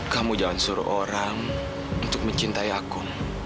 kamu jangan suruh orang untuk mencintai aku